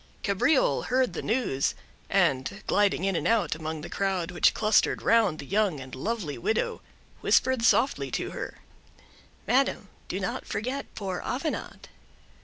Cabriole heard the news, and, gliding in and out among the crowd which clustered round the young and lovely widow, whispered softly to her—"Madam, do not forget poor Avenant."